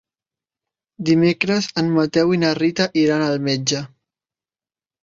Dimecres en Mateu i na Rita iran al metge.